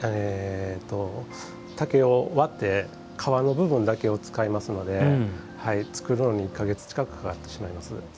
竹を割って皮の部分だけを使いますので作るのに１か月近くかかってしまいます。